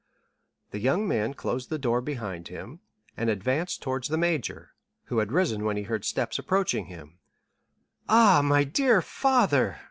The young man closed the door behind him, and advanced towards the major, who had risen when he heard steps approaching him. "Ah, my dear father!"